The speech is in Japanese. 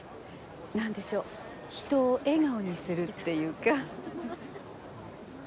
なんでしょう人を笑顔にするっていうか。